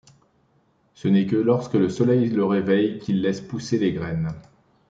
Ce n'est que lorsque le soleil le réveille qu'il laisse pousser les graines.